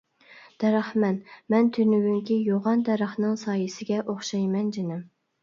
دەرەخمەن مەن تۈنۈگۈنكى يوغان دەرەخنىڭ سايىسىگە ئوخشايمەن جېنىم.